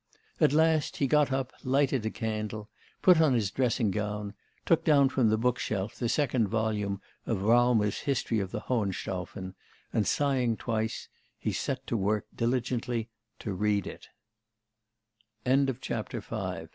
At last he got up, lighted a candle, put on his dressing gown, took down from the bookshelf the second volume of Raumer's History of the Hohenstaufen, and sighing twice, he set to work diligently to read i